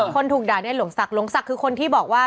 คนถูกด่าเนี่ยหลงศักดิหลงศักดิ์คือคนที่บอกว่า